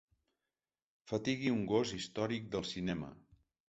Fatigui un gos històric del cinema.